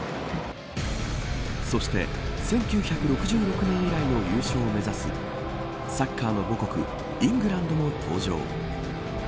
そして１９６６年以来の優勝を目指すサッカーの母国イングランドも登場。